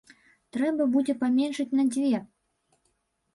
Трэба будзе паменшыць на дзве!